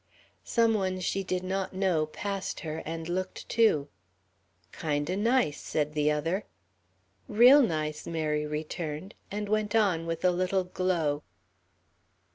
Some one whom she did not know passed her and looked too. "Kind o' nice," said the other. "Real nice," Mary returned, and went on with a little glow.